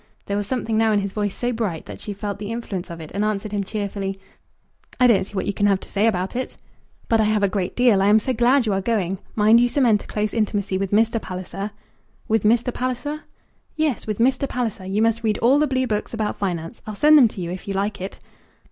There was something now in his voice so bright, that she felt the influence of it, and answered him cheerfully, "I don't see what you can have to say about it." "But I have a great deal. I am so glad you are going. Mind you cement a close intimacy with Mr. Palliser." "With Mr. Palliser?" "Yes; with Mr. Palliser. You must read all the blue books about finance. I'll send them to you if you like it."